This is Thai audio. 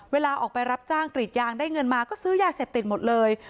เวลาออกไปรับจ้างกรีดยางได้เงินมาก็ซื้อยาเสพติดหมดเลย